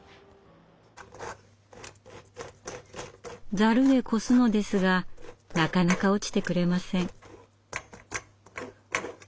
ざるで漉すのですがなかなか落ちてくれません。